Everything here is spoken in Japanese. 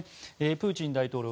プーチン大統領